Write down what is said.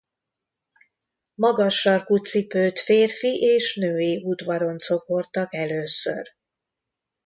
Magas sarkú cipőt férfi és női udvaroncok hordtak először.